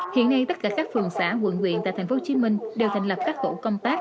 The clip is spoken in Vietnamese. hiện nay tất cả các phường xã quận viện tại tp hcm đều thành lập các hộ công tác